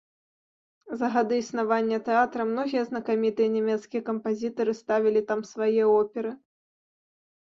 За гады існавання тэатра многія знакамітыя нямецкія кампазітары ставілі там свае оперы.